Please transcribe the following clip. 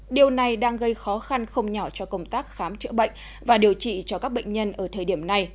điều này đang gây khó khăn không nhỏ cho công tác khám chữa bệnh và điều trị cho các bệnh nhân ở thời điểm này